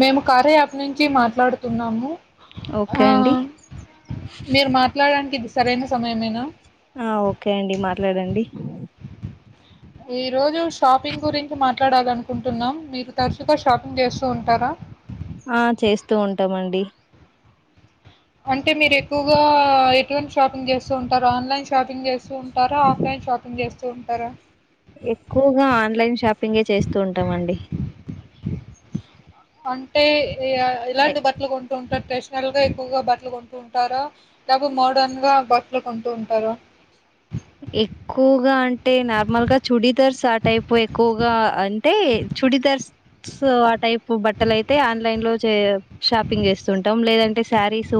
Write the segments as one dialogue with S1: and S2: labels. S1: మేము కార్యా యాప్ నుంచి మాట్లాడుతున్నాము.
S2: ఓకే
S1: ఆ
S2: అండి
S1: మీరు మాట్ మాట్లాడానికి ఇది సరైన సమయమేనా
S2: ఆ ఓకే అండి మాట్లాడండి
S1: ఈ రోజు షాపింగ్ గురించి మాట్లాడాల అనుకుంటున్నాం. మీరు తరచుగా షాపింగ్ చేస్తూ ఉంటారా
S2: ఆ చేస్తూ ఉంటామండి.
S1: అంటే మీరు ఎక్కువగా ఎటువంటి షాపింగ్ చేస్తూ ఉంటారా, ఆన్లైన్ షాపింగ్ చేస్తూ ఉంటారా, ఆఫ్లైన్ షాపింగ్ చేస్తూ ఉంటారా?
S2: ఎక్కువగా ఆన్లైన్ షాపింగే చేస్తూ ఉంటామండి.
S1: అంటే అ ఇ
S2: ఎ
S1: ఎలాంటి బట్టలు కొను ట్రెడిషనల్ గా ఎక్కువగా బట్టలు కొంటూ ఉంటార లేక మోడర్న్ గా బట్టలు కొంటూ ఉంటార
S2: ఎక్కువగా అంటే నార్మల్గా చుడి దర్స్ ఆ టైప్ ఎక్కువగా అంటే చుడిదర్స్ సో ఆ టైప్ బట్టలు అయితే ఆన్లైన్ లో చే షాపింగ్ చేస్తుంటాం. లేదంటే శారీస్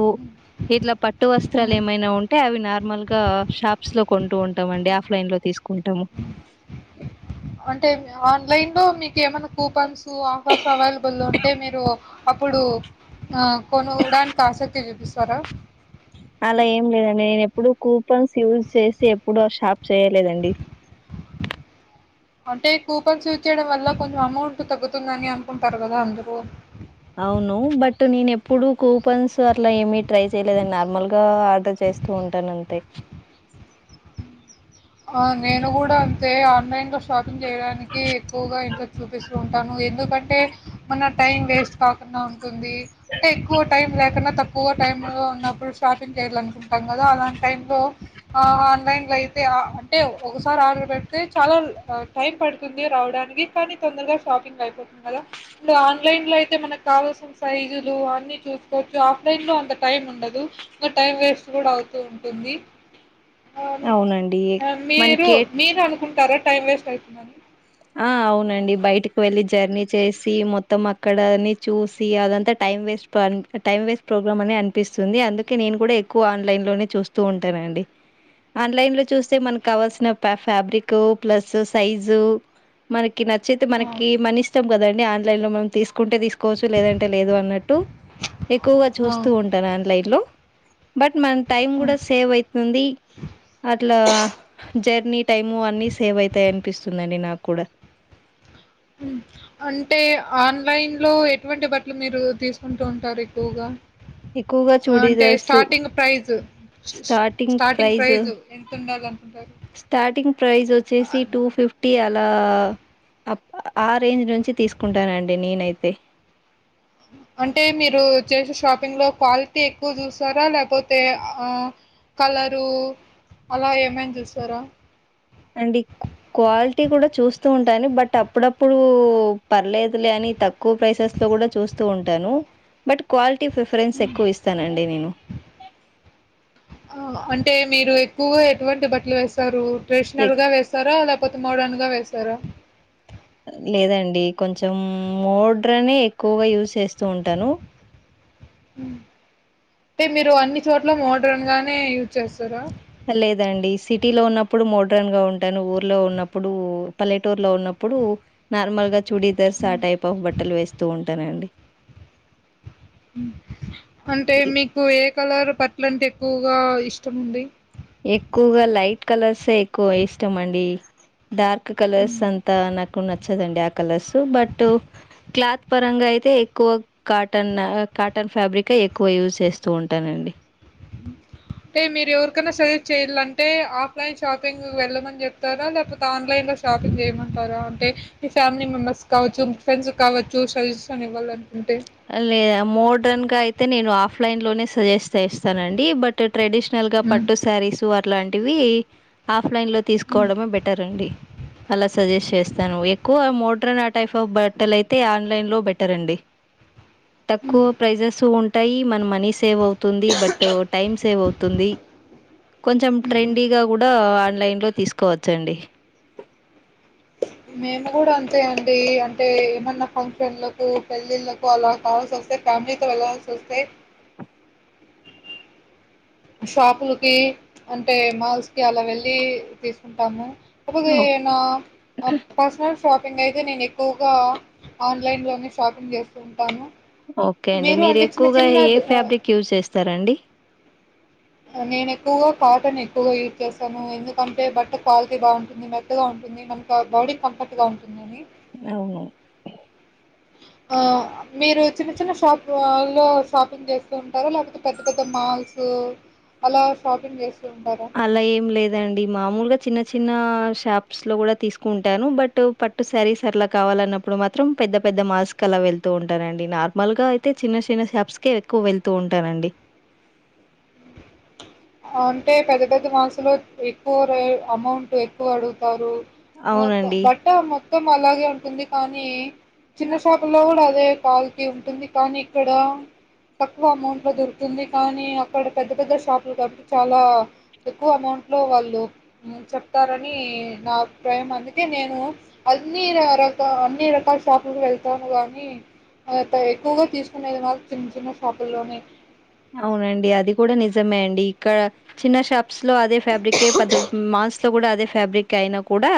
S2: ఇట్లా పట్టు వస్త్రాలు
S1: మ్మ్.
S2: ఏమైనా ఉంటే, అవి నార్మల్ గా షాప్స్ లో కొంటూ ఉంటాం అండి ఆఫ్లైన్ లో తీసుకుంటాము
S1: అంటే ఆన్లైన్ లో మీకుేమన్నా కూపన్స్ ఆఫర్స్ అవైలబుల్ ఉంటే మీరు అప్పుడు కొనుడానికి ఆసక్తి చూపిస్తారా
S2: అలా ఏం లేదండి నేను ఎప్పుడుూ కూపన్స్ యూజ్ చేసి ఎప్పుడు ఆ షాప్ చేయలేదండి
S1: అంటే కూపన్స్ యూస్ చేయడం వల్ల కొంచెం అమౌంట్ తగ్గుతుందని అనుకుంటారు కదా అందరూ
S2: అవును బట్ నేను ఎప్పుడుూ కూపన్స్ అట్లా ఏమిీ ట్రై చేయలేదండి నార్మల్గా ఆర్డర్ చేస్తూ ఉంటాన అంతే
S1: ఆ నేను కూడా అంతే ఆన్లైన్ లో షాపింగ్ చేయడానికి ఎక్కువగా ఇంట్రెస్ట్ చూపిస్తూ ఉంటాను ఎందుకంటే మన టైం వేస్ట్ కాకుండా ఉ ంది అంటే ఎక్కువ టైం లే ఎ తక్కువ టైమ్ లో ఉన్నప్పుడు షాపింగ్ చేయాలనుకుంటాం కదా అలాంటి టైమ్ లో ఆన్లైన్ లోయి అే అంటే ఒకసారి ఆర్డర్ పెడితే చాలా టైం పడుతుంది రావడానికి కానీ తొందరగా షాపింగ్ అయిపోతుంది కదా ఇంగా ఆన్లైన్లో అయితే మనకు కావాల్సిన సైజులు అన్నీ చూసుకోవచ్చు ఆఫ్లైన్లో అంత టైం ఉండదు ఇంకా టైం వేస్ట్ కూడా అవుతూ ఉంటుంది అని
S2: అవునండి
S1: ఆ మీరు
S2: మనకే
S1: మీరు అనుకుంటారా టైమ్ వేస్ట్ అవుతుంది అని
S2: ఆ అవునండి బయటకు వెళ్లిి జర్నీ చేసి మొత్తం అక్కడని చూసి అదంతా time waste time waste program అని అనిపిస్తుంది అందుకే నేను కూడా ఎక్కువ ఆన్లైన్ లోనే చూస్తూ ఉంటాన అండి ఆన్లైన్ లో చూస్తే మనకు కావాల్సిన ఫ్యాబ్రిక్ ప్లస్ సైజు మనకి నచ్చితే
S1: అవును.
S2: మనకి మన ఇష్టం కదండి మం తీస్ కుంటే తీసుకోవచ్చు లేదంటే లేదు అన్నట్టు ఎక్కువగా
S1: ఆ!
S2: చూస్తూ ఉంటాను ఆన్లైన్ లో బట్ మన టైం కూడా
S1: హ్మ్.
S2: సేవ్ అవుతుంది అట్లా జర్నీ టైమ్ అన్నిీ సేవ్ అవుతాయి అనిపిస్తుందిండి నాకు కుడ
S1: అంటే ఆన్లైన్ లో ఎటువంటి బట్టలు మీరు తీసుకుంటూ ఉంటారు ఎక్కువగా
S2: ఎక్కువగా చూడి
S1: అంటే
S2: దారుస్
S1: స్టార్టింగ్ ప్రైజ్ స్
S2: స్టార్టింగ్ ప్రైజ
S1: ప్రైజ్ ఎంతుండాలనుకుంటారు?
S2: స్టార్టింగ్ ప్రైజ్ వచ్చేసి టూ ఫిఫ్టీ ఆ లా ఆ రేంజ్ నుంచి తీసుకుంటానండి నేనైతే
S1: అంటే మీరు చేసే షాపింగ్లో క్వాలిటీ ఎక్కువ చూస్తారా లేకపోతే కలరు అలా ఏమైనా చూస్తారా
S2: అండి క్వాలిటీ కూడా చూస్తూ ఉంటాను బట్ అప్పుడప్పుడు పర్లేదులే అని తక్కువ ప్రైసెస్ లో కూడా చూస్తూ ఉంటాను బట్ క్వాలి టీ ప్రిఫరెన్స్ ఎక్కువస్తానండి నేను
S1: ఆ అంటే మీరు ఎక్కువగా ఎటువంటి బట్టలు వేస్తారు ట్రడిషనల్ గా వేస్తారు లే ప్ కొత్త మోడన్గా వేస్తారా
S2: లేదండి కొంచెం మోడ్రనే ఎక్కువగా యూజ్ చేస్తూ ఉంటాను
S1: అంటే మీరు అన్ని చోట్ల మోడ్రన్ గానే యూజ్ చేస్తారా
S2: లేదండి సిటీలో ఉన్నప్పుడు మోడ్రన్ గా ఉంటాను ఊర్లో ఉన్నప్పుడు పల్లెటూరులో ఉన్నప్పుడు నార్మల్ గా చూడీదర్స్ ఆ టైప్ ఆఫ్ బట్టలు వేస్తూ ఉంట ఉంటానండి
S1: మ్ అంటే
S2: ఎ
S1: మీకు ఏ ఏ కలర్ బట్ల అంటే ఎక్కువగా ఇష్టం ఉంది
S2: ఎక్కువగా లైట్ కలర్సే ఎక్కువ ఇష్టం అండి డార్క్ కలర్స్
S1: మ్మ్.
S2: అంత న కు నచ్చదండి ఆ కలర్స్ బట్ క్లాత్ పరంగా అయితే ఎక్కువ కాటన్ కాటన్ ఫ్యాబ్రిక్ ఎక్కువ యూజ్ చేస్తూ ఉంటానండి
S1: అంటే మీరు ఎవరికైనా సజెస్ట్ చేయాలంటే ఆఫ్లైన్ షాపింగ్ వెళ్ళమని చెప్తారా లేకపోతే ఆన్లైన్ లో షాపింగ్ చేయమంటారా అంటే మీ ఫ్యామిలీ మెంబర్స్ కావచ్చు మీ ఫ్రెండ్స్ కావచ్చు సజెస్షన్ ఇవ్వాలని
S2: లేదు మోడ్రెన్ గా అయితే నేను ఆఫ్ ఆఫ్లైన్ లోనే సజెస్ట్ చేస్తానండి బట్ ట్రెడిషనల్ గా
S1: మ్మ్.
S2: పట్టు సారీసు వర్ అట్లాంటివి ఆ ఆఫ్లైన్లో
S1: మ్మ్.
S2: తీసుకోవడమే బెటర్ అండి అలా సజెస్ట్ చేస్ దాను ఎక్కువ మోడర్న్ ఆ టైప్ ఆఫ్ బట్టలు అయితే ఆన్లైన్ లో బెటర్ అండి తక్కువ
S1: మ్మ్.
S2: ప్రైజెస్ ఉన్ టై మన మనీ సేవ్ వో తుంది బట్ టైమ్ సేవ్ అవుతుంది కొంచెం
S1: మ్మ్.
S2: ట్రెండీ గా కూడ ఆన్లైన్ లొ తీసుకోవచ్చు అండి
S1: మేము కూడ అంతే అండి అంటే ఏమన్నా ఫంక్షన్లకు, పెళ్ళిళ్ళలకు, అలా కావాల్సి వస్తే ఫ్యామిలీతో వెళ్ళల్సి వస్తే. షాపులకి అంటే మాల్స్ కి అలా వెళ్లి తీసుకుంటాము కాకపోతే
S2: ఓహ్!
S1: ఏమన్నా పర్సనల్స్ షాపింగ్ అయితే నేను ఎక్కువగా ఆన్లైన్లోనే, షాపింగ్ చేస్తూ ఉంటాను.
S2: ఓకే అండి మీరు
S1: చిన్న
S2: ఎక్కువగా
S1: చిన్న
S2: ఏ
S1: దు ఆహ్,
S2: ఫ్యాబ్రిక్ యూజ్ చేస్తారండి
S1: నేను ఎక్కువగా కాటన్ ఎక్కువగా యూజ్ చేసాను, ఎందుకంటే బట్ట క్వాలిటీ బాగుంటుంది. మెత్తగా ఉంటుంది, మనకు బాడీ కంఫర్ట్ గా ఉంటుందని.
S2: అవును
S1: ఆ మీరు చిన్న చిన్న షాప్ లో షాపింగ్ చేస్తూ ఉంటారా లేకపోతే పెద్ద పెద్ద మాల్స్. అలా షాపింగ్ చేస్
S2: అలా ఏం లేదండి మామూలుగా చిన్న చి చిన్న షాప్స్ లో కూడా తీసుకుంటాను, బట్ పట్టు శారీస్ అట్లా కావాలన్నప్పుడు మాత్రం పెద్ద పెద్ద మాల్స్ కి అలా వెళ్తూ ఉంటానండి, నార్మల్గా అయితే చిన్న చిన్న షాప్స్కే ఎక్కువ వెళ్తూ ఉంటానండి.
S1: అంటే పెద్ద పెద్ద మాల్స్ లో ఎక్కువ రే అమౌంట్ ఎక్కువ అడుగుతారు.
S2: అవునండి.
S1: బట్ట మొత్తం అలాగే ఉన్ టుంది కానీ చిన్న
S2: అ
S1: షాపుల్లో కూడ అదే క్వాలిటీ ఉంటుంది కానీ ఇక్కడ తక్కువ అమౌంట్ లో దొరుతుంది, కానీ అక్కడ పెద్ద పెద్ద షాపులు క. చాలా ఎక్కువ అమౌంట్లో వాళ్ళు చెప్తారని నా అభిప్రాయం, అందుకే నేను అన్ని రక అన్ని రకాల షాపులకు వెళ్తాను కానీ ఎక్కువగా తీసుకునేది నాకు చిన్న చిన్న షాపుల్లోనే.
S2: అవునండి అది కూడా నిజమే అండి ఇక్కడ చిన్న షాప్ ప్స్ లో అదే ఫ్యాబ్రిక్ పెద్ద మాల్స్ లో కూడా అదే ఫ్యాబ్రిక్ అయినా కూడా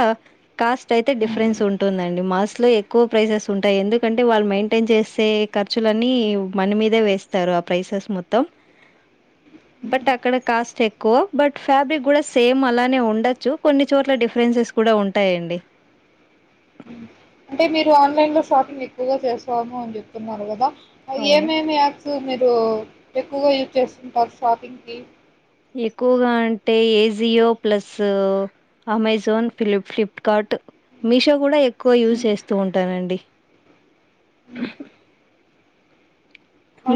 S2: కాస్ట్ అయితే
S1: హ్మ్.
S2: డిఫరెన్స్ ఉంటుందండి. మాల్స్ లో ఎక్కువ ప్రైసెస్ ఉంటాయి, ఎందుకంటే వాళ్ళు మెయింటైన్ చేసే ఖర్చులన్నీ మన మీదే వేస్తారు ఆ ప్రైసెస్ మొత్తం. త్తం
S1: హ్మ్.
S2: బట్ అక్కడ కాస్ట్ ఎ కో బట్ ఫ్యాబ్రిక్ కూడా సేమ్ అలానే ఉండచ్చు కొన్ని చోట్ల డిఫరెన్సెస్ కూడా ఉంటాయండి.
S1: అంటే మీరు ఆన్లైన్లో షాపింగ్ ఎక్కువగా చేస్తాము అని చెప్తున్నారు కదా. అ
S2: అవును
S1: ఏమేమి ఆర్ట్స్ మే తో ఎక్కువగా యూజ్ చేస్తుంటారు షాపింగ్ కి
S2: ఎక్కువగా అంటే ఏజియో ప్లస్, అమెజాన్ పిలిప్ట్ ఫ్లిప్కార్ట్, మీషో కూడా ఎక్కు కో యూజ్ చేస్తూ ఉంటానండి. ఉహు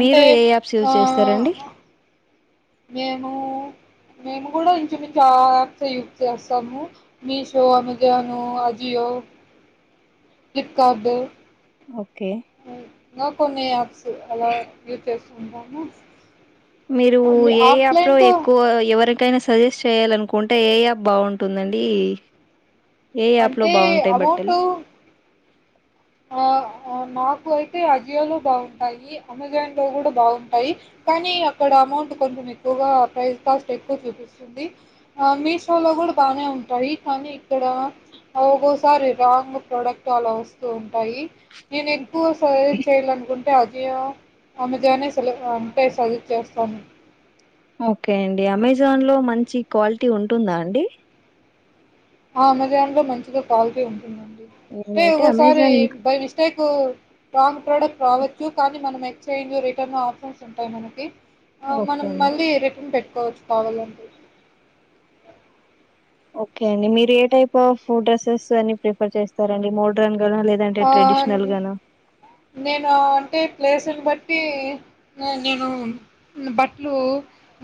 S2: మీరు ఏ యాప్స్ యూజ్
S1: ఆ
S2: చేస్తారండి?
S1: మేము మేము కూడా ఇంచు మించు ఆ యాప్స్ యూస్ చేస్తాము Meesho, Amazon, Ajio, Flipkart
S2: okay
S1: నాకున్నాయి యాప్స్ అలా యూజ్ చేస్ ఎందాకా
S2: మీరు ఏ యాప్ లో ఎక్కువ ఎవరన్ కైనా సజెస్ట్ చేయాలనుకుంటే ఏయాప్ బావుంటుందండి.
S1: అంటే అమౌంటు ఆఅఆ నాకు అయితే అజియోలో బావుంటాయి, అమెజాన్లో కూడా బావుంటాయి. కానీ అక్కడ అమౌంట్ కొంచెం ఎక్కువగా ప్రైస్ కాస్ట్ ఎక్కువ చూపిస్తుంది. ఆ మీషోలో కూడా బానే ఉంటాయి. కానీ ఇక్కడ ఒకోసారి రాంగ్ ప్రోడక్ట్ అలా వస్తు ఉంటాయి. నేను ఎక్కువ సాయే చేయాలనుకుంటే అజియో, అమెజానే సెలె అంటే సజెక్ట్ చేస్తాను.
S2: ఓకే అండి అమెజాన్ లో మంచి క్వాలిటీ ఉంటుందా అండి.
S1: ఆ అమెజాన్ లో మంచిగా క్వాలిటీ ఉంటుందండి. టే
S2: నేనైతే
S1: ఒకోకసారి
S2: అమెజాన్ ఇంకా
S1: బై మిస్టేక్ కు రాంగ్ ప్రోడక్ట్ రావచ్చు కానీ మనం ఎక్స్చేంజ్ రిటర్న్ ఆప్షన్స్ ఉంటాయి మనకి. ఆ
S2: ఓకే
S1: మనం
S2: అండి
S1: మళ్ళీ రిటర్న్ పెట్ కోచ్ కావాలంటే
S2: ఓకే అండి మీరు ఏ టైప్ ఆఫ్ డ్రెస్సెస్ అని ప్రిఫర్ చేస్తారండి మోడ్రన్ గానా లేదంటే
S1: ఆ
S2: ట్రెడిషనల్ గానా
S1: నేను అంటే ప్లేసుని బట్టి నే నేను బట్టలు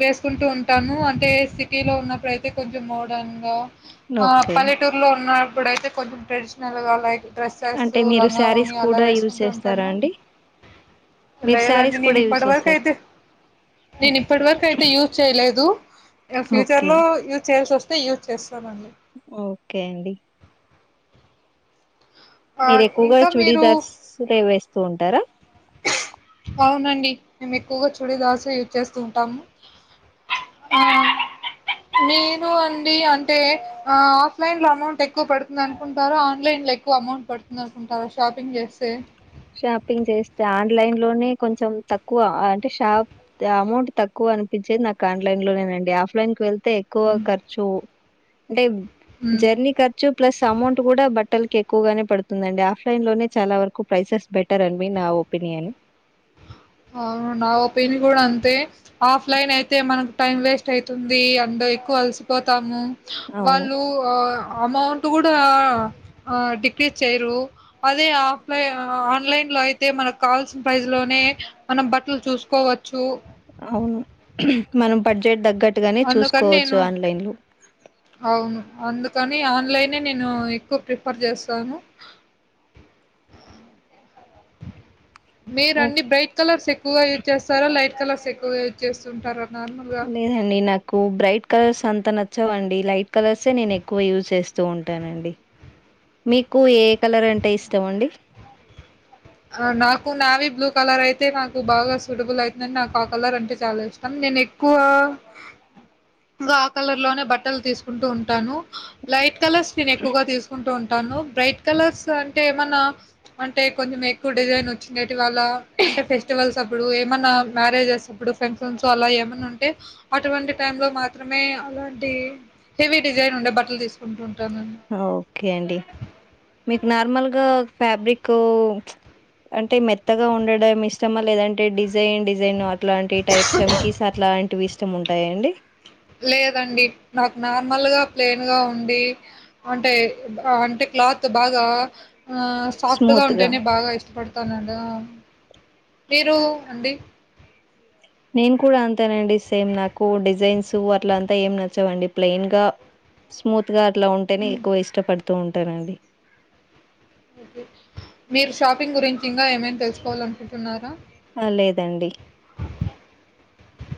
S1: వేసుకుంటూ ఉంటాను అంటే సిటీ లో ఉన్నప్పుడైతే కొంచెం మోడన్ గా ఆ
S2: ఓకే
S1: పల్లెటూరులో ఉన్న ఇప్పుడైతే కొంచెం ట్రెడిషనల్గా లైక్ డ్రెస్స సో
S2: అంటే మీరు శారీస్
S1: లంగావోని అలా
S2: కూడా యూజ్
S1: వేసుకుంటూ
S2: చేస్తారా
S1: ఉంటాను
S2: అండి మీరు
S1: లేదండి
S2: శారీస్
S1: నేను
S2: కూడా యూజ్
S1: ఇప్పటి వరకు
S2: చేస్తారు
S1: అయితే
S2: ఓ
S1: నేను ఇప్పటి వరకు అయితే యూజ్ చేయలేదు ఇగా ఫ్యూచర్
S2: ఓకే
S1: లో యూజ్ చేయాల్సి వస్తుంది యూస్ చేస్తామండి
S2: ఓకే అండి
S1: ఆ
S2: మీరు ఎక్కువగా
S1: ఇంకా మీరు
S2: చూడీదర్సులే వేస్తూ ఉంటారా
S1: అవునండి మేము ఎక్కువగా చుడిదార్ సే యూస్ చేస్తూ ఉంటాము మేము అండి అంటే ఆ ఆఫ్లైన్ లో అమౌంట్ ఎక్కువ పడుతుంది అనుకుంటారా ఆన్లైన్ లో ఎక్కువ అమౌంట్ పడుతుంది అనుకుంటారా షాపింగ్ చేస్తే
S2: షాపింగ్ చేస్తే ఆన్లైన్ లోనే కొంచెం తక్కువ అంటే షాప్ అమౌంట్ తక్కువ అనిపించేది నాకు ఆన్లైన్ లోనేనండి ఆఫ్లైన్ కి వెళ్తే తే ఎక్కువ ఖర్చు అంటే జర్నీ ఖర్చు ప్లస్ అమౌంట్ కూడా బట్ టలకి ఎక్కువగానే పడుతుందండి ఆఫ్లైన్ లోనే చాలా వరకు ప్రైసెస్ బెటర్ అని న ఒపీనియన్
S1: అవును నా ఓపీన్ కూడా అంతే ఆఫ్ లైన్ అయితే మనకు టైం వేస్ట్ అవుతుంది అడ్ ఎక్కువ అలసిపోతాము
S2: అవును
S1: వాళ్ళు ఆ అమౌంట్ కూడా డిక్రీజ్ చేయరు అదే ఆఫ్లై ఆన్లైన్ లో అయితే మనకు కావాల్సిన ప్రైస్ లోనే మనం బట్టలు చూసుకోవచ్చు
S2: అవును మనం బడ్జెట్ దగ్గ త గట్టుగానే
S1: అందుకని
S2: చూసుకోవచ్చు
S1: నేను
S2: ఆన్లైన్ లో
S1: అవును అందుకని ఆన్లైన్ నేను ఎక్కువ ప్రిఫర్ చేస్తాను మీరుండి బ్రైట్ కలర్స్ ఎక్కువగా యూజ్ చేస్తారా లైట్ కలర్స్ ఎక్కువ యూస్చేస్తూ ఉంటారు
S2: లేదండి నాకు బ్రైట్ కలర్స్ అంత నచ్చవండి లైట్ కలర్సే నేను ఎక్కువ యూజ్ చేస్తూ ఉంటానండి మీకు ఏ కలర్ అంటే ఇష్టం అండి
S1: ఆ నాకు నావీ బ్లూ కలర్ అయితే నాకు బాగా సూటబుల్ అయితదానే నాకు ఆ కలర్ అంటే చాలా ఇష్టం నేను ఎక్కువ ఆ కలర్ లోనే బట్టలు తీసుకుంటూ ఉంటాను లైట్ కాళూర్స్ నేను ఎక్కువగా తీసుకుంటూ టాను బ్రైట్ కలర్స్ లో అంటే ఏమన్నా అంటే కొంచం [unintelligible] ఇవ్వాళ అంటే ఫెస్టివల్స్ ఉత్తప్పుడు ఏమన్నా మర్రగేష్ అప్పుడు ఫంక్షన్స్ అలా ఏమన్నా ఉంటే అటువంటి టై లో మాత్రమే అలాంటి హెవీ డిజైన్ ఉండే బట్టలు తీసుకుంటు
S2: ఓకే అండి మీకు నార్మల్గా ఫ్యాబ్రిక్ అంటే మెత్తగా ఉండడం ఇష్టమా లేదంటే డిజైన్ డిజైన్ అలాంటి టైప్ చంకీస్ అట్లాంటిఇష ఇష్టం ఉంటాయా అండి
S1: లేదండి నాకు నార్మల్ గా ప్లెన్ గా ఉండి అంటే అంటే క్లోత్ బాగా ఆ సాఫ్ట్గా
S2: స్మూత్ గా
S1: ఉంటేనే బాగా ఇష్టపడతానడి మీరు అండి
S2: నేను కూడా అంతేనండి సేమ్ నాకు డిజైన్స్ అట్లంతా ఏం నచ్చవండి ప్లెయిన్ గా స్మూత్ గా అట్లా ఉంటేనే ఎక్కువ ఇష్టపడ్ తూ ఉంటానండి
S1: మీరు షాపింగ్ గురించి ఇంగా ఏమైనా తెలుసుకోవాల అనుకుంటున్నారా
S2: ఆ లేదండి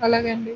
S1: అలాగే అండి